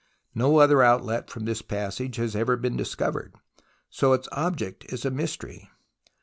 No other outlet from this passage has ever been discovered, so its object is a mystery.